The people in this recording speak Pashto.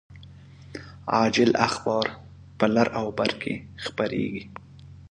عاجل اخبار په لر او بر کې خپریږي